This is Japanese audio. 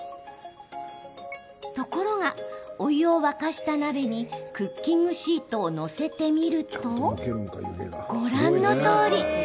ところが、お湯を沸かした鍋にクッキングシートを載せてみるとご覧のとおり。